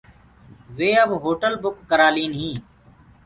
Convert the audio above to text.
وي اب هوٽل بُڪ ڪرآلين هين۔